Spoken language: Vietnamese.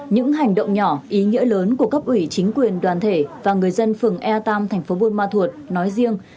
những hành động nhỏ ý nghĩa lớn của cấp ủy chính quyền đoàn thể và người dân phường e ba tp buôn ma thuột nói riêng